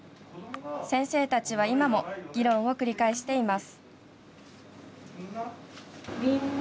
先生たちは今も議論を繰り返しています。